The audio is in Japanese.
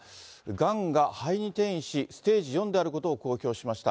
がんが肺に転移し、ステージ４であることを公表しました。